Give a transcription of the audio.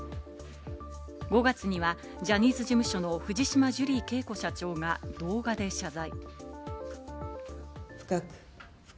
５月にはジャニーズ事務所の藤島ジュリー景子社長が動画で謝罪。